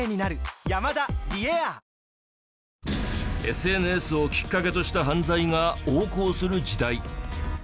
ＳＮＳをきっかけとした犯罪が横行する時代。